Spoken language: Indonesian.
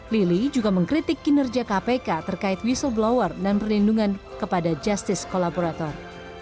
lili juga mengkritik kinerja kpk terkait whistleblower dan perlindungan kepada justice kolaborator